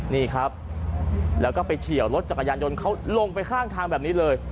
นี่ครับแล้วก็ไปเฉียวรถจักรยานยนต์เขาลงไปข้างทางแบบนี้เลย